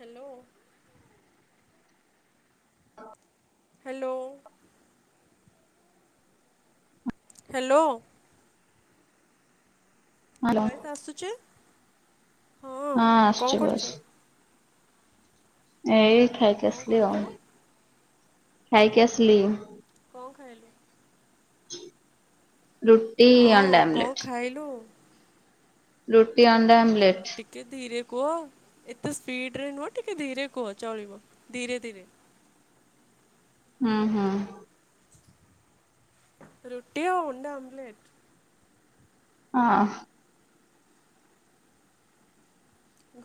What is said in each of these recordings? Hello. ହଁ। Hello. Hello. Hello voice ଆସୁଛି, ହଁ ଆସୁଛି କଣ ବସ୍ କରୁଛ? ଏଇ ଖାଇକି କଣ ଆସିଲି କରୁଛୁ ଆଉ ଖାଇକି ଆସିଲି। କଣ ଖାଇଲ? [inaudible] ରୁଟି, ହଁ ଅଣ୍ଡା କଣ ଆମଲେଟ। ଖାଇଲୁ? ରୁଟି, ଅଣ୍ଡା ଆମଲେଟ୍। ଟିକେ ଧୀରେ କୁହ ଏତେ ସ୍ପିଡ ରେ ନୁହଁ ଟିକେ ଧୀରେ କୁହ ଚଳିବ ଧୀରେ ଧୀରେ। ହୁଁ ହୁଁ। ରୁଟି ଆଉ ଅଣ୍ଡା ଆମଲେଟ। ହଁ।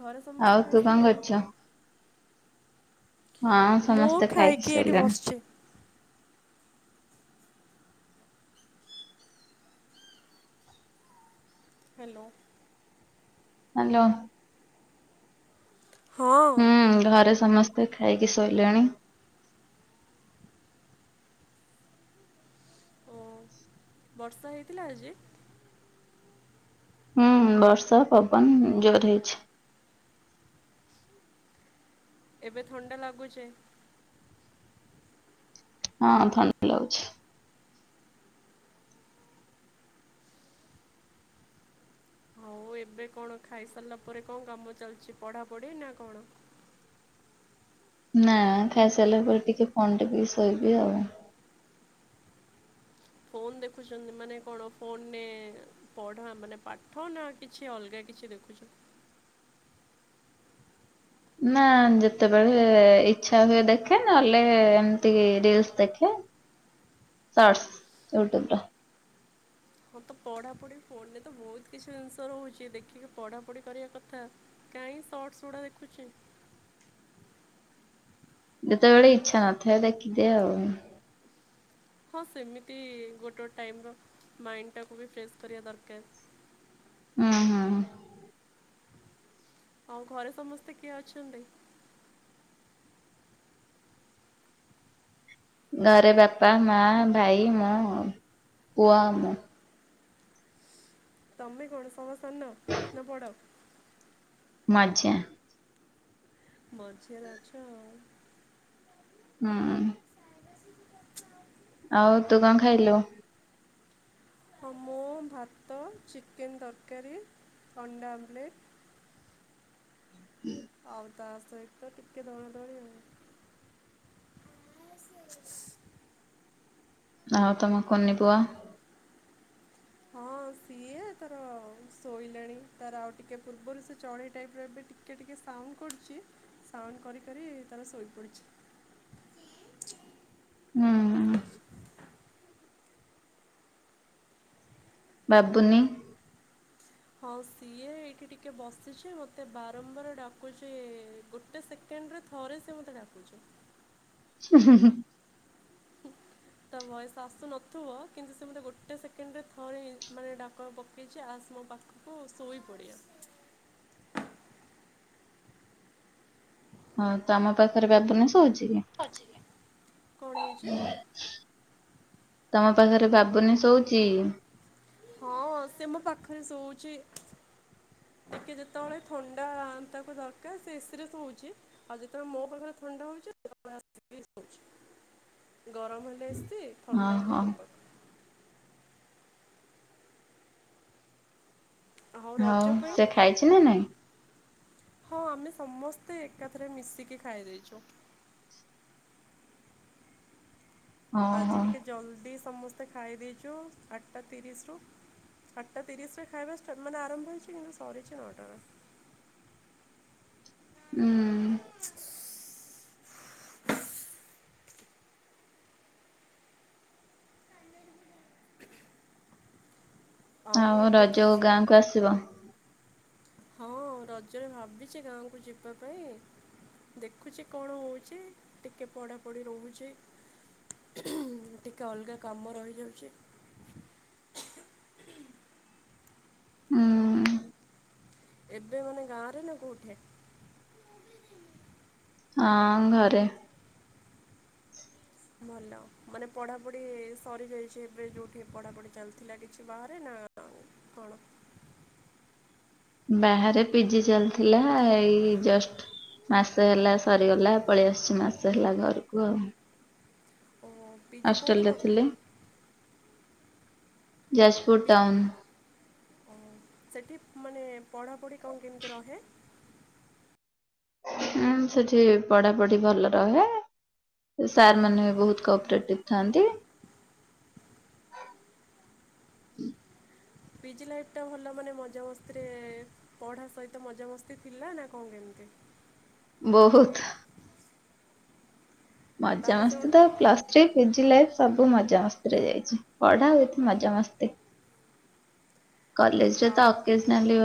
ଘରେ ଆଉ ସମସ୍ତେ ତୁ କଣ ଖାଇସାରିଲେଣି? କରୁଛୁ? ହଁ ମୁଁ ସମସ୍ତେ ଖାଇକି ଏଇଠି ଶୋଇଲେଣି ବସିଛି। ହ୍ୟାଲୋ। ହ୍ୟାଲୋ। ହଁ। ହୁଁ ଘରେ ସମସ୍ତେ ଖାଇକି ଶୋଇଲେଣି। ଓ ବର୍ଷା ହେଇଥିଲା ଆଜି? ହୁଁ ହୁଁ ବର୍ଷ ପବନ ଜୋର ରେ ହେଇଛି। ଏବେ ଥଣ୍ଡା ଲାଗୁଛେ? ହଁ ଥଣ୍ଡା ଲାଗୁଛି। ହଉ ଏବେ କଣ ଖାଇସାରିଲା ପରେ କଣ କାମ ଚାଲିଛି ପଢ଼ାପଢ଼ି ନା କଣ? ନା ଖାଇସାରିଲା ପରେ ଟିକେ ଫୋନ ଦେଖିକି ଶୋଇବି ଆଉ। ଫୋନ ଦେଖୁଛନ୍ତି ମାନେ କଣ ଫୋନ ନେ ପଢ଼ା ମାନେ ପାଠ ନା କିଛି ଅଲଗା କିଛି ଦେଖୁଛ? ନା ଯେତେବେଳେ ଇଚ୍ଛା ହୁଏ ଦେଖେ, ନହେଲେ ଏମିତି ରିଲସ୍ ଦେଖେ। [inaudible] ଆର୍ଟ୍ସ ୟୁଟ୍ୟୁବର। ମୋର ତ ପଢ଼ାପଢ଼ି ଫୋନରେ ତ ବହୁତ କିଛି ଜିନିଷ ରହୁଛି ଦେଖିକି ପଢ଼ାପଢ଼ି କରିବା କଥା। କାହିଁ ସଟସ୍ ଗୁଡ଼ା ଦେଖୁଛୁ। ଯେତେବେଳେ ଇଚ୍ଛା ନଥାଏ ଦେଖିଦିଏ ଆଉ। ହଁ ସେମିତି ଗୋଟେ ଟ୍ ଟାଇମ୍ ର ମାଇଣ୍ଡଟାକୁ ବି ଫ୍ରେସ୍ କରିବା ଦରକାର। ହୁଁ ହୁଁ ହୁଁ। ଆଉ ଘରେ ସମସ୍ତେ କିଏ ଅଛନ୍ତି? ଘରେ ବାପା ମା ଭାଇ ମୁଁ ଆଉ ପୁଅ ମୁଁ। ତମେ କଣ ସଭା ସାନ ନା ବଡ଼? ମଝିଆ। ମଝିଆରେ ଅଛ ଆଉ। ହୁଁ ଉଁ। [unintelligible] ଆଉ ତୁ କଣ ଖାଇଲୁ? ହଁ ମୁଁ ଭାତ, ଚିକେନ ତରକାରୀ, ଅଣ୍ଡା ଆମ୍ବଲେଟ୍। ହୁଁ। ଆଉ ତା ସହିତ ଟିକେ ଦଳା ଦଳି ଆଉ। ହଁ ସିଏ। [unintelligible] ଆଉ ତମ କୁନିି ପୁଅ? ହଁ ସିଏ ତାର ଶୋଇଲାଣି ତାର ଆଉ ଟିକେ ପୂର୍ବରୁ ସେ ଚଢେଇ ଟାଇପ୍ ର ଏବେ ଟିକ୍ ଟିକେ ଟିକେ ସାଉଣ୍ଡ କରୁଚି ସାଉଣ୍ଡ କରିି କରି ତାର ଶୋଇପଡ଼ିଚି। ହୁଁ। ବାବୁନି। ହଁ ସିଏ ଏଇଠି ଟିକେ ବସିଚି ମତେ ବାରମ୍ବାର ଡାକୁଛି ଗୋ ଗୋଟେ ସେକେଣ୍ଡେରେ ଥରେ ସେ ମତେ ଡାକୁଚି। ହୁଁ ହୁଁ ହୁଁ। ତା ଭଏସ୍‌ ଆସୁ ନଥୁବ କିନ୍ତୁ ସେ ମୋତେ ଗୋଟେ ସେକେଣ୍ଡେରେ ଥରେ ମାନେ ଡାକ ପକେଇଚି ଆସ୍‌ ମୋ ପାଖ କୁ ଶୋଇ ପଡିଆ। ହଁ ତମ ପାଖରେ ବାବୁନି ସୋଉଚିକି? ଖଜିକି କଣ ହେଇଛି? ତମ ପାଖରେ ବାବୁନି ଶୋଉଚି? ହଁ ସେ ମୋ ପାଖରେ ଶୋଉଚି। ଟିକେ ଯେତେବେଳେ ଥଣ୍ଡାତାକୁ ଦରକାର ସେ ଏସିରେ ଶୋଉଚି। ଆଉ ଯେତେବେଳେ ମୋ ପାଖରେ ଥଣ୍ଡା ହଉଚି [unintelligible] ଆସିକି ଶୋଉଚି। ଗରମ ହେଲେ ଏସି ଥଣ୍ଡା ହେଲେ ଓହୋ ମୋ ପାଖ। ଆଉ ହଉ ରଜ ପାଇଁ ସେ ଖାଇଚି ନା ନାଇଁ? ହଁ ଆମେ ସମସ୍ତେ ଏକାଥରେ ମିଶିକି ଖାଇ ଯାଇଚୁ। ଓହୋ ଆଜି ଟିକେ ଜଲ୍ଦି ସମସ୍ତେ ଖାଇ ଦେଇଚୁ ଆଠଟା ତିରିଶିରୁୁ। ଆଠଟା ତିରିଶି ରେ ଖାଇବା ଷ୍ଟାଟ୍ ମାନେ ଆରମ୍ଭ ହେଇଚି କିନ୍ତୁ ସରିଚି ନଅଟାରେ। ଉୁଁ। ଆଉ ଏବେ କିଛି ରଜକୁ ଗାଁକୁ ଆସିବ? ହଁ ରଜରେ ଭାବିଚି ଗାଁକୁ ଯିବା ପାଇଁ। ଦେଖୁଚି କଣ ହଉଚି ଟିକେ ପଢାପଢି ରହୁଚି। ଟିକେ ଅଲଗା କାମ ରହିଯାଉଚି। ହୁଁ। ଏବେ ମାନେ ଗାଁରେ ନା କୋଉଠେ? ଆଁ ଘରେ। ଭଲ ମାନେ ପଢ଼ାପଢ଼ି ସରିଯାଇଛି ଏବେ ଯେଉଁଠି ପଢ଼ାପଢ଼ି ଚାଲିଥିଲା କିଛି ବାହାରେ ନା କଣ? ବାହାରେ ପିଜି ଚାଲିଥିଲା ଏଇ ଜଷ୍ଟ ମାସେ ହେଲା ସରିଗଲା ପଳେଇ ଆସୁଛି ମାସେ ହେଲା ଘରକୁ ଆଉ। ଓ। ଅଷ୍ଟେଲେରେ ଥିଲି ଯାଜପୁର ପି ଟାଉନୁ। ସେଠି ମାନେ ପଢ଼ାପଢ଼ି କଣ କେମିତି ରହେ? ହୁଁ ସେଠି ପଢାପଢି ଭଲ ରହେ। ସାର୍ ମାନେ ବହୁତୁ କପରେଟିଭ ଥାଆନ୍ତି। ପିଜି ଲାଇଫି ଟା ଭଲ ମାନେ ମଜାମସ୍ତିରେ ପଢା ସହିତ ମଜାମସ୍ତି ଥିଲା ନା କଣ କେମିତି? ବହୁତୁ। ତାହେଲେ ସେ ମଜାମସ୍ତି ତ ଗୋଟେ ପ୍ଲାସ୍ ପିଜି ଲାଇଫି ସବୁ ମଜାମସ୍ତିରେ ଯାଇଛି ପଢା ଉଇଥି ମଜାମସ୍ତି। କଲେଜରେ ତ ଏକେଜନାଲି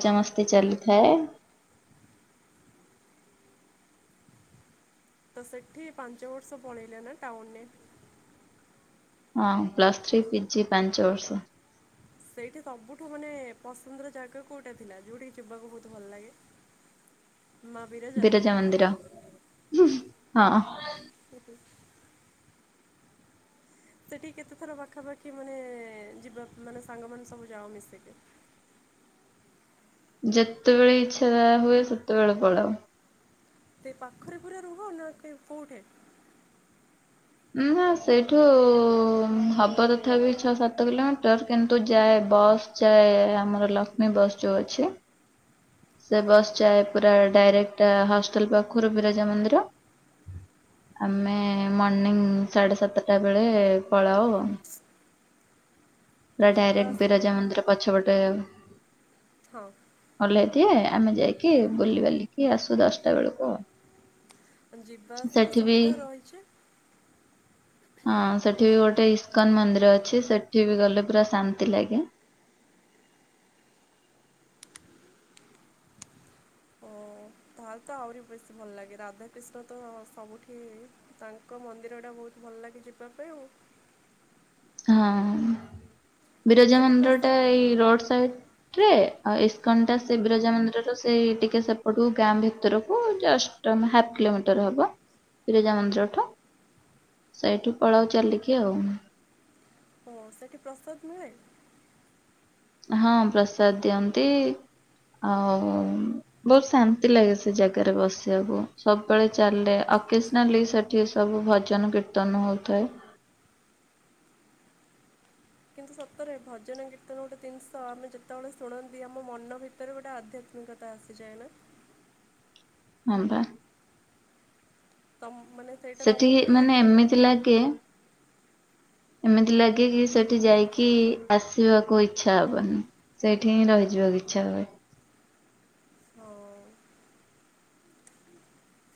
ହଁ ମସ୍ ସେ ଚାଲିଥାଏ। ତ ସେଠି ପାଞ୍ଚ ବର୍ଷ ପଳେଇଲେ ନା ଟାଉନ ନେ। ହଁ ପ୍ଲସ୍ ଥ୍ରୀ ପିଜି ପାଞ୍ଚ ବର୍ଷ। ସେଇଠି ସବୁଠୁ ମାନେ ପସନ୍ଦର ଜାଗା କୋଉଟା ଥିଲା ଯୋଉଠିିକି ଯିବାକୁ ବହୁତ ଭଲ ଲାଗେ। ବିରଜା ମନ୍ଦିର ହୁଁ ହଁ। ହୁଁ ହୁଁ। ସେଠି କେତେ ଥର ପାଖାପାଖି ମାନେ ଯିବା ମାନେ ସାଙ୍ଗମାନେ ସବୁ ଯାଅ ମିଶିକି? ଯେତେବେଳେ ଇଚ୍ଛା ହୁଏ ଯା ସେତେବେଳେ ପଳାଉ। ସେ ପାଖରେ ପୁରା ରୁହ ନା କୋଉଠେ? ନା ସେଇଠୁ ହବ ତଥାପି ଛଅ ସାତ କିଲୋମିଟର କିନ୍ତୁ ଯାଏ ବସ୍ ଯାଏ ଆମର ଲକ୍ଷ୍ମୀ ବସ୍ ଯୋଉ ଅଛି। ସେ ହଁ ବସ୍ ଯାଏ ପୁରା ଡାଇରେକ୍ଟ ହଷ୍ଟେଲ ପାଖରୁ ବିରଜା ମନ୍ଦିର। ଆମେ ମର୍ଣିିଂ ସାଢେ ସାତଟା ବେଳେ ପଳାଉ। ତ ପୁରା ଯିବା ଡାଇରେକ୍ଟ ଆସିବା ବିରଜା ମନ୍ଦିର ପଛ ପଟେ ଆଉ। ହଁ। ଓଲ୍ହେଇ ଦିଏ ଆମେ ଯାଇକି ବୁଲିିବାଲିକି ଆସୁ ଦଶଟା ବେଳକୁ। ଯିବା ଆସିବା ସେଠି ବି ସୁବିଧା ରହିଚି। ହଁ ସେଠି ବି ଗୋଟେ ଇସ୍କନ ମନ୍ଦିର ଅଛି ସେଠି ବି ଗଲେ ପୁରା ଶାନ୍ତି ଲାଗେ। ଓ ତାହେଲେ ତ ଆହୁରି ବେଶୀ ଭଲ ଲାଗେ ରାଧାକୃିଷ୍ଣ ତ ସବୁଠି। ତାଙ୍କ ମନ୍ଦିର ଟା ବହୁତ ଭଲ ଲାଗେ ଯିବା ପାଇଁ ଆଉ। ହଁ ବିରଜା ସେଠି ମନ୍ଦିର ଟା ପ୍ରସାଦ ଏଇ ରୋଡ ସାଇ ରେ ଆଉ ଇସ୍କନଟା ସେ ବିରଜା ମନ୍ଦିରର ସେଇ ଟିକେ ସେପଟକୁ ଗାଁ ଭିତରକୁ ଜଷ୍ଟ ହାଫ କିଲୋମିଟର ହବ ବିରଜା ମନ୍ଦିରଠୁ। ସେଇଠୁ ପଳାଉ ଚାଲିକି ଆଉ। ହଁ ସେଇଠି [unintelligible] ନୁହେଁ। ହଁ ପ୍ରସାଦ ଦିଅନ୍ତି ଆଉ। ବହୁତ ଶାନ୍ତି ଲାଗେ ସେ ଜାଗାରେ ବସିବାକୁ ସବୁବେଳେ ଚାଲେ ଏକେଜନାଲି ଏଠି ସବୁ ଭଜନ କୀର୍ତ୍ତନ ହଉଥାଏ। କିନ୍ତୁ ସତରେ ଭଜନ କୀର୍ତ୍ତନ ଗୋଟେ ଜିନିଷ ଆମେ ଯେତେବେଳେ ଶୁଣନ୍ତି ଆମ ମନ ଭିତ ତରେ ଗୋଟେ ଆଧ୍ୟାତ୍ମିକତା ଆସିଯାଏନା। ହଁ ବା। ତମ୍ ମାନେ ସେଇଟା ସେଠି ତମକୁ ବି ମାନେ ଲାଗେନା। ଏମିତି ଲାଗେ। ଏମିତି ଲାଗେ କି ସେଠି ଯାଇକି ଆସିବାକୁ ଇଚ୍ଛା ହବନି। ସେଇଠି ହିଁ ରହିଯିବାକୁ ଇଚ୍ଛା ହୁଏ। ହଁ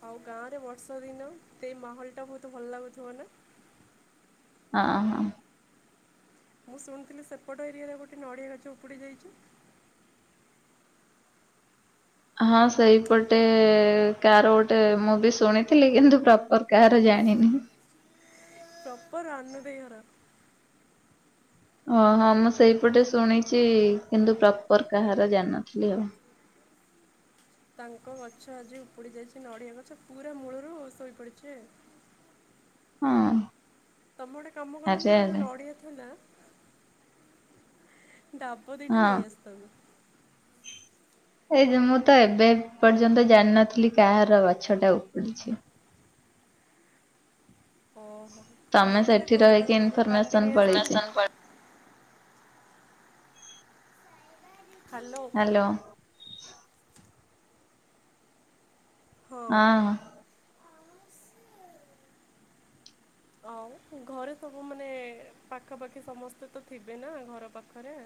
ଆଉ ଗାଁ ରେ ବର୍ଷା ଦିନ ସେଇ ମାହୋଲ ଟା ବହୁତ ଭଲ ଲାଗୁଥିବ ନା। ହଁ ହଁ। ମୁଁ ଶୁଣିଥିଲି ସେପଟ ଏରିଆରେ ଗୋଟେ ନଡ଼ିଆ ଗଛ ଉପୁଡ଼ି ଯାଇଛି। ହଁ ସେଇପଟେ କାର ଗୋଟେ ମୁଁ ବି ଶୁଣିଥିଲି କିନ୍ତୁ ପ୍ରପର କାଆର ଜାଣିନି। ପ୍ରପର୍ ରାନୁ ଦେଇ ହର। ଓ ହଁ ମୁଁ ସେଇପଟେ ଶୁଣିଚି କିନ୍ତୁ ପ୍ରପର କାହାର ଜାଣିନଥିଲି ଆଉ। ତାଙ୍କ ଗଛ ଆଜି ଉପୁଡି ଯାଇଛି ନଡ଼ିଆ ଗଛ ପୁରା ମୂଳରୁ ଶୋଇ ପଡିଛି। ହଁ। ତମେ ଗୋଟେ କାମ କଲନି, ଆରେ ତାଙ୍କ ଯୋଉ ଆରେ ନଡିଆ ଥିଲା ଡା ବ ଦିଇଟା ହଁ। ନେଇ ଆସିଥାନ୍ତ। ଏ ଝିଅ ମୁଁ ତ ଏବେ ପର୍ଯ୍ୟନ୍ତ ଜାଣିନଥିଲି କାହାର ଗଛ ଟା ଉପୁଡିଛି। ଓହୋ ତମେ ନହେଲେ ସେଠି କଣ ରହିକି ତାଙ୍କ ନଡିଆ ଇନଫରମେସନ କାନ୍ଦି ପଳେଇଛି ନେଇଆସି ଥାନ୍ତ। ହ୍ୟାଲୋ। ହ୍ୟାଲୋ। ହଁ। ଆଉ ଘରେ ସବୁ ମାନେ ପାଖାପାଖି ସମସ୍ତେ ତ ଥିବେ ନା ଘର ପାଖରେ।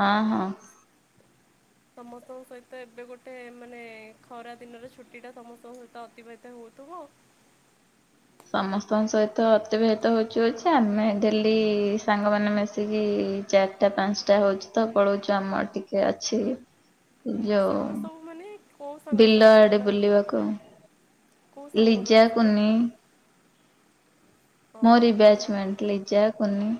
ହଁ ହଁ। ସମସ୍ତଙ୍କ ସହିତ ଏବେ ଗୋଟେ ମାନେ ଖରା ଦିନର ଛୁଟିଟା ସମସ୍ତଙ୍କ ସହିତ ଅତିବାହିତ ହେଉଥିବ। ସମସ୍ତଙ୍କ ସହିତ ଅତିବାହିତ ହଉଛୁ ହଉଛି ଆମେ ଡେଲି ସାଙ୍ଗମାନେ ମିଶିକି ଚାରିଟା ପାଞ୍ଚଟା ହଉଛି ତ ପଳଉଛୁ ଆମର ଟିକେ ଅଛି। ଯୋଉ ସାଙ୍ଗ ସବୁ ମାନେ କୋଉ ସାଙ୍ଗ ବିଲ ସମସ୍ତେ ଆଡେ ମାନେ ବୁଲିବାକୁ ଲିଜା କୁନି ହଁ ମୋରିି ବଢ଼ିଆ ବ୍ୟାଚମେଣ୍ଟ ଲିଜା କୁନି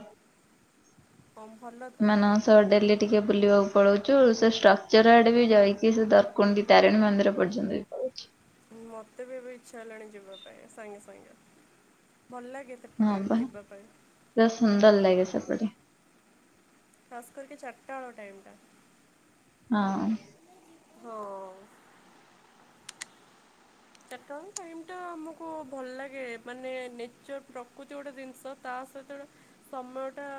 ଓମ୍ ଭଲ। ତ ସେମାନଙ୍କ ସହ ଡେଲି ଟିକେ ବୁଲିବାକୁ ପଳଉଛୁ, ସେ ଷ୍ଟ୍ରକ୍ଚର ଆଡେ ବି ଯାଇକି ସେ ଦରକୁଣ୍ଡି ତାରିଣୀ ମନ୍ଦିର ପର୍ଯ୍ୟନ୍ତ ବି ପଳଉଛୁ ମତେ ବି ଏବେ ଇଚ୍ଛା ହେଲାଣି ଯିବା ପାଇଁ ସାଙ୍ଗେ ସାଙ୍ଗେ। ଭଲ ଲାଗେ ହଁ ସେପଟେ ବା ଯିବା ପାଇଁ ପୂରା ସୁନ୍ଦର ଲାଗେ ସେପଟେ। ଖାସ୍ କରିକି ଚାରିଟା ବେଳ ଟାଇମ ଟା। ହଁ। ହଁ। ଚାରଟା ବେଳ ଟାଇମ୍ ଟା ଆମକୁ ଭଲ ଲାଗେ, ମାନେ ନେଚର୍ ପ୍ରକୃତି ଗୋଟେ ଜିନିଷ ତା ସହିତ ସମୟଟା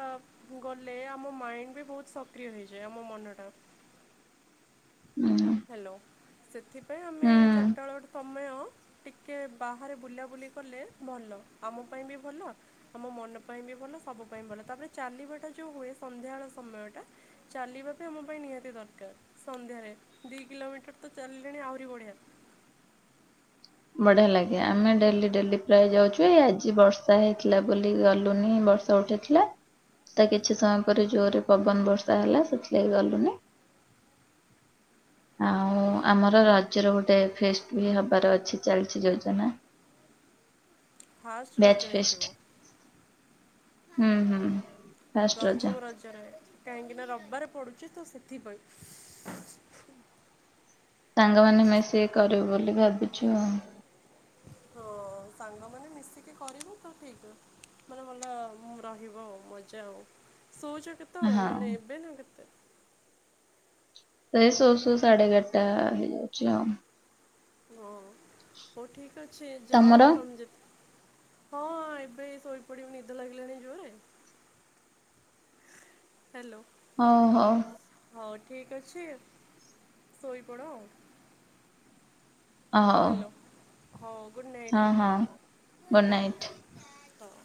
ଗଲେ ଆମ ମାଇଣ୍ଡ ବି ବହୁତ ସକ୍ରିୟ ହୋଇଯାଏ ଆମ ମନଟା। ହୁଁ। ହ୍ୟାଲୋ ସେଥିପାଇଁ ଆମେ ହୁଁ ଚାରିଟା ବେଳେ ଗୋଟେ ସମୟ ଟିକେ ବାହାରେ ବୁଲାବୁଲି କଲେ ଭଲ, ଆମ ପାଇଁ ବି ଭଲ ଆମ ମନ ପାଇଁ ବି ଭଲ ସବୁ ପାଇଁ ଭଲ, ତାପରେ ଚାଲିବାଟା ଯୋଉ ହୁଏ ସନ୍ଧ୍ୟାବେଳ ସମୟ ଟା ଚାଲିବା ତ ଆମ ପାଇଁ ନିହାତି ଦରକାର ସନ୍ଧ୍ୟାରେ ଦି କିଲୋମିଟର ତ ଚାଲିଲେଣି ଆହୁରି ବଢ଼ିଆ। ବଢିଆ ଲାଗେ, ଆମେ ଡେଲି ଡେଲି ପ୍ରାୟ ଯାଉଛୁ ଏଇ ଆଜି ବର୍ଷା ହେଇଥିଲା ବୋଲି ଗଲୁନି। ବର୍ଷା ଉଠି ଥିଲା। ତା କିଛି ସମୟ ପରେ ଜୋରେ ପବନ ବର୍ଷା ହେଲା ସେଥିଲାଗି ଗଲୁନି। ଆଉ ଆମର ରଜ ର ଗୋଟେ ଫେଷ୍ଟ ବି ହବାର ଅଛି। ଚାଲିଛି ଯୋଜନା। ଫାଷ୍ଟ ବ୍ୟାଚ୍ ରଜ ଫିଷ୍ଟ ହେଇଥିବ। ହୁଁ ହୁଁ ଫାଷ୍ଟ ରଜ। କୋ ରଜ ରେ କାହିଁକିନା ରବିବାରେ ପଡ଼ୁଛି ତ ସେଥିପାଇଁ। ସାଙ୍ଗମାନେ ମିଶିକି କରିବୁ ବୋଲି ଭାବିଚୁ ଆଉ। ହଁ ସାଙ୍ଗମାନେ ମିଶିକି କରିବ ତ ଠିକ୍ ମାନେ ଭଲ ରହିବ ଆଉ ମଜା ଆଉ ଶଉଛ କେତେ କେତେବେଳେ ହଁ ମାନେ ଏବେ ନା କେତେ ଏଇ ଶଉ ଶଉ ସାଢେ ଏଗାରଟା ହେଇଯାଉଚି ଆଉ। ହଁ ହଉ ଠିକ୍ ଅଛି ଯ ତମର ତମ ଯେ ହଁ ଏବେ ଶୋଇପଡିିବ ନିଦ ଲାଗିଲାଣି ଜୋରେ? ହାଲୋ। ଓ ହୋ। ହଉ ଠିକ୍ ଅଛି ଶୋଇପଡ଼ ଆଉ। ଓ ହୋ। ହଁ ଗୁଡ଼୍ ନାଇଟ୍ ଗୁଡ୍ ହଁ ନାଇଟ୍ ହଉ।